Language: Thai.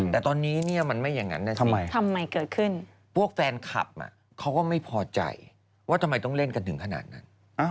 แต่ตอนนี้เนี่ยมันไม่อย่างนั้นทำไมเกิดขึ้นพวกแฟนคลับเขาก็ไม่พอใจว่าทำไมต้องเล่นกันถึงขนาดนั้น